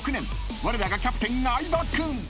［われらがキャプテン相葉君］